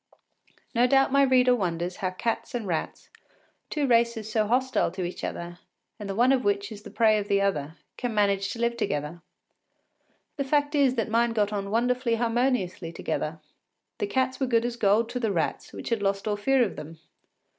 No doubt my reader wonders how cats and rats, two races so hostile to each other, and the one of which is the prey of the other, can manage to live together. The fact is that mine got on wonderfully harmoniously together. The cats were good as gold to the rats, which had lost all fear of them.